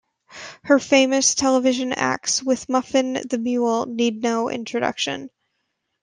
Her famous television acts with Muffin the Mule need no introduction.